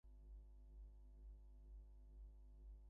The stone church probably replaced an older wooden church in the area.